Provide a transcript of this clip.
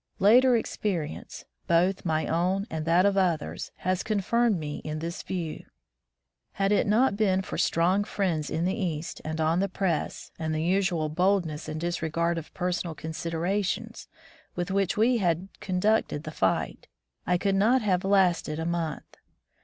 Later experience, both my own and that of others, has confirmed me in this view. Had it not been for strong friends in the East and on the press, and the unusual boldness and disregard of personal considerations with which we had conducted the fight, I could not have lasted a month.